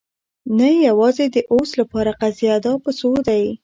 نه، یوازې د اوس لپاره قضیه. دا په څو دی؟